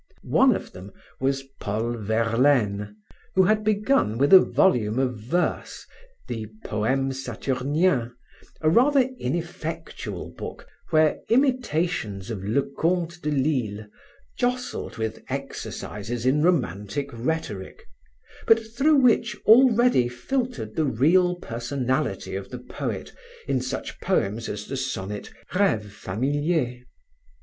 One of them was Paul Verlaine who had begun with a volume of verse, the Poemes Saturniens, a rather ineffectual book where imitations of Leconte de Lisle jostled with exercises in romantic rhetoric, but through which already filtered the real personality of the poet in such poems as the sonnet Reve Familier.